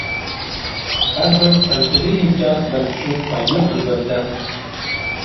ھەر بىر تەنقىدى ئىنكاس مەن ئۈچۈن پايدىلىق ئەلۋەتتە.